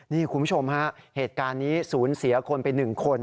นี่คุณผู้ชมฮะเหตุการณ์นี้ศูนย์เสียคนไป๑คน